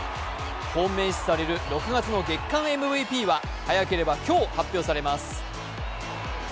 本命視される６月の月間ＭＶＰは早ければ今日、発表されます。